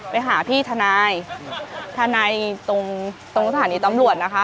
ไปหาพี่ทนายทนายตรงตรงสถานีตำรวจนะคะ